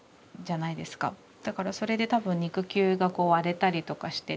だからそれで多分肉球が割れたりとかして。